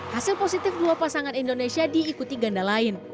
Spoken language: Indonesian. hasil positif dua pasangan indonesia diikuti ganda lain